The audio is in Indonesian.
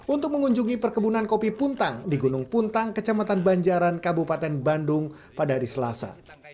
untuk mengunjungi perkebunan kopi puntang di gunung puntang kecamatan banjaran kabupaten bandung pada hari selasa